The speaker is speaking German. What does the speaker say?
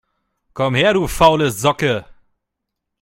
Komm her, du faule Socke